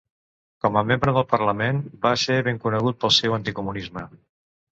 Com a membre del parlament, va ser ben conegut pel seu anticomunisme.